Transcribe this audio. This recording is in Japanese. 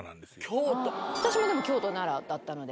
私も京都・奈良だったので。